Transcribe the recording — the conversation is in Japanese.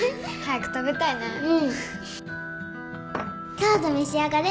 どうぞ召し上がれ